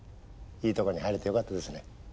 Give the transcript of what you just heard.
いいとこに入れてよかったですね。